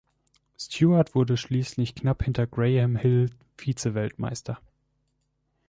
Stewart wurde schließlich knapp hinter Graham Hill Vizeweltmeister.